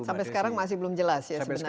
sampai sekarang masih belum jelas ya sebenarnya